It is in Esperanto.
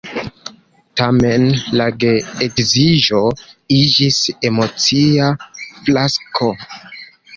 Tamen la geedziĝo iĝis emocia fiasko.